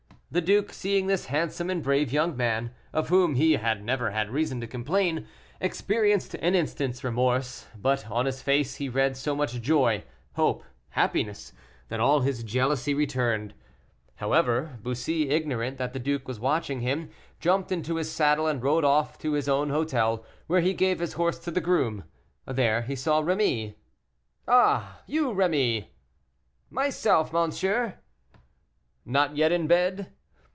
The duke, seeing this handsome and brave young man, of whom he had never had reason to complain, experienced an instant's remorse, but on his face he read so much joy, hope, and happiness, that all his jealousy returned. However, Bussy, ignorant that the duke was watching him, jumped into his saddle and rode off to his own hotel, where he gave his horse to the groom. There he saw Rémy. "Ah! you Rémy?" "Myself, monsieur." "Not yet in bed?"